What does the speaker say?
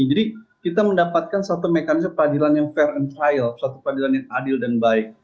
jadi kita mendapatkan satu mekanisme peradilan yang fair and trial satu peradilan yang adil dan baik